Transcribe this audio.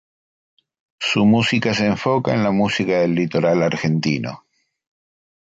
Su música se enfoca a la música del litoral argentino.